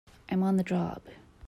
I'm on the job!